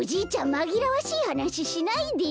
まぎらわしいはなししないでよ。